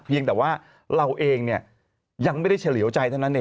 เพียงแต่ว่าเราเองยังไม่ได้เฉลี่ยวใจเท่านั้นเอง